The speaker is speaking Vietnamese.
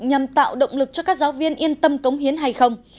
nhằm tạo động lực cho các giáo viên yên tâm cống hiến hay không